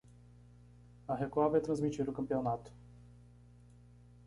A Record vai transmitir o campeonato.